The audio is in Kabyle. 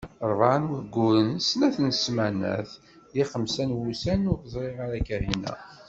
Rebɛa n wayyuren, snat n smanat d xemsa n wussan ur ẓriɣ ara Kahina.